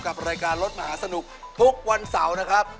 กับรายการรถมหาสนุกทุกวันเสาร์นะครับ